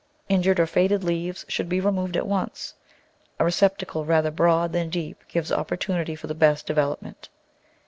Injured or faded leaves should be removed at once. A receptacle rather broad than deep gives opportunity for the best development.